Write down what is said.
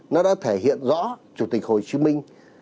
nó đã thể hiện rõ chủ tịch hồ chí minh